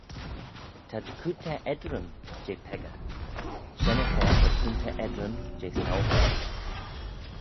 T'ad coontey eddrym jeh peccah, shen-y-fa ta'd coontey eddrym jeh saualtagh.